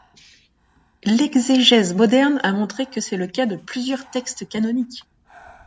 L'exégèse moderne a montré que c'est le cas de plusieurs textes canoniques.